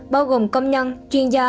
bao gồm công nhân chuyên gia